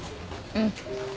うん。